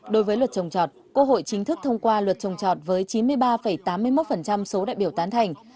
đối với luật trồng trọt quốc hội chính thức thông qua luật trồng trọt với chín mươi ba tám mươi một số đại biểu tán thành